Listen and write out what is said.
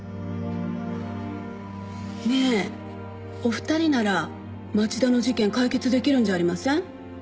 ねえお二人なら町田の事件解決できるんじゃありません？